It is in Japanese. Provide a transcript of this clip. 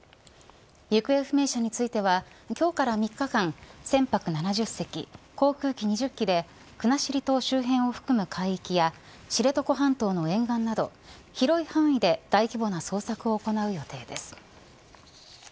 行方不明者については今日から３日間船舶７０隻、航空機２０機で国後島周辺を含む海域や知床半島の沿岸など広い範囲で大規模な捜索を行う予定です。